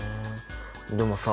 でもさ。